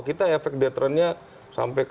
kita efek deterrennya sampai ke